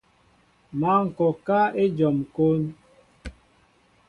Má ŋkɔkă éjom kón.